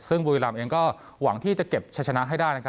ซึ่งบุรีรำเองก็หวังที่จะเก็บชะชนะให้ได้